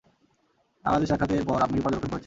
আমাদের সাক্ষাতের পর আপনাকে পর্যবেক্ষণ করেছি!